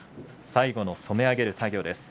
最後の染め上げる作業です。